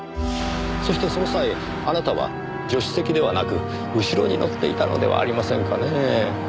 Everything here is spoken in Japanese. そしてその際あなたは助手席ではなく後ろに乗っていたのではありませんかねぇ。